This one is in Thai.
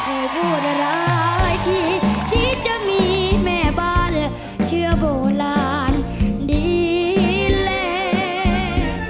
โอ้พูดร้ายที่คิดจะมีแม่บ้านเชื่อโบราณดีเลย